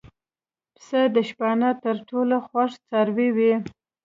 پسه د شپانه تر ټولو خوښ څاروی وي.